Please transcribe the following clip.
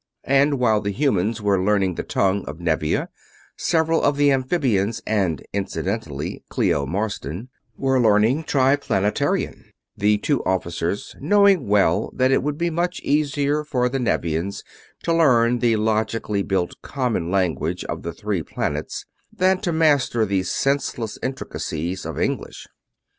And while the human beings were learning the tongue of Nevia, several of the amphibians (and incidentally Clio Marsden) were learning Triplanetarian; the two officers knowing well that it would be much easier for the Nevians to learn the logically built common language of the Three Planets than to master the senseless intricacies of English.